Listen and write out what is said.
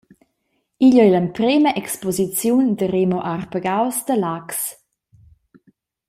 Igl ei l’emprema exposiziun da Remo Arpagaus da Laax.